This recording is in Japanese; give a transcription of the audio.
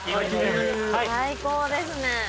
最高ですね。